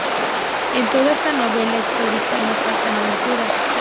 En toda esta novela histórica no faltan aventuras.